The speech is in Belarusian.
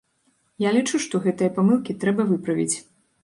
Я лічу, што гэтыя памылкі трэба выправіць.